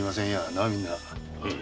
なあみんな？